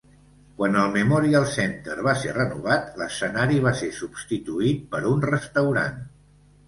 Quan el Memorial Centre va ser renovat, l'escenari va ser substituït per un restaurant.